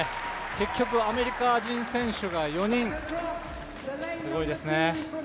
結局アメリカ人選手が４人、すごいですね。